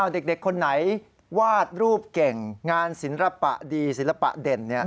เด็กคนไหนวาดรูปเก่งงานศิลปะดีศิลปะเด่น